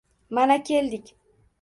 Mana, keldik.